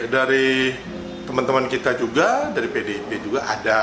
dari teman teman kita juga dari pdip juga ada